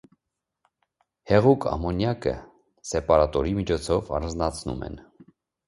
Հեղուկ ամոնիակը սեպարատորի միջոցով առանձնացնում են։